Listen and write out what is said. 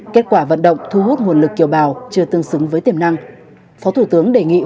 kết quả vận động thu hút nguồn lực kiều bào chưa tương xứng với tiềm năng